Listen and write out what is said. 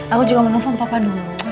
aku juga mau nelfon papa dulu